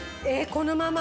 このまま？